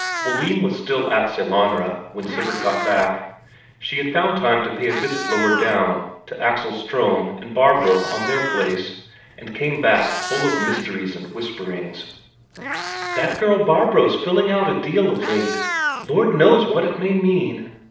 Oline was still at Sellanraa when Sivert got back. She had found time to pay a visit lower down, to Axel Ström and Barbro on their place, and came back full of mysteries and whisperings. "That girl Barbro's filling out a deal of late Lord knows what it may mean.